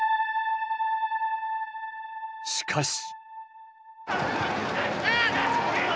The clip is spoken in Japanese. しかし。